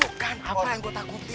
tuh kan apa yang gue takutin